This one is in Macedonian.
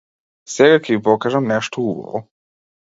Сега ќе ви покажам нешто убаво.